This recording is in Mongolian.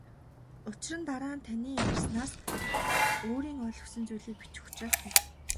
Учир нь дараа нь таны ярианаас өөрийн ойлгосон зүйлийг бичих учраас тэр.